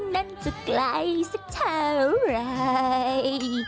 นั้นจะไกลสักเท่าไร